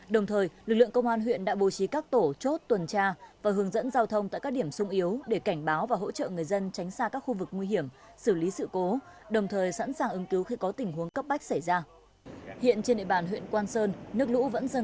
đồng thời lực lượng công an huyện đã bố trí các tổ chốt tuần tra và hướng dẫn giao thông tại các điểm sung yếu để cảnh báo và hỗ trợ người dân tránh xa các khu vực nguy hiểm xử lý sự cố đồng thời sẵn sàng ứng cứu khi có tình huống cấp bách xảy ra